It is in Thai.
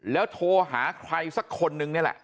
แล้วโทรหาใครสักคนนึงนี่แหละ